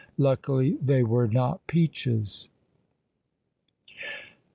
_ Luckily they were not peaches!